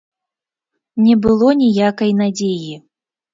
Не было ніякай надзеі.